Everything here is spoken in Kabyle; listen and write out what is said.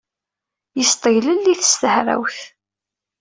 Yesṭeglelli-t s tehrawt.